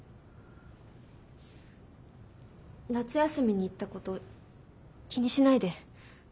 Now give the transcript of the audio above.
夏休みに言ったこと気にしないで。